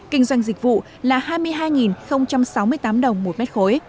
kinh doanh dịch vụ là hai mươi hai sáu mươi tám đồng một m ba